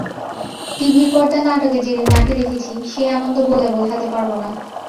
টিভির পর্দায় নাটকে যেদিন মাকে দেখেছি, সেই আনন্দ বলে বোঝাতে পারব না।